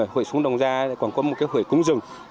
hủy xuống đồng ra còn có một cái hội cúng rừng